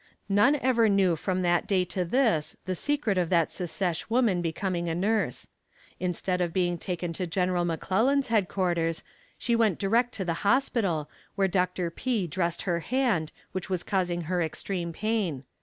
None ever knew from that day to this the secret of that secesh woman becoming a nurse. Instead of being taken to General McClellan's headquarters, she went direct to the hospital, where Dr. P. dressed her hand, which was causing her extreme pain.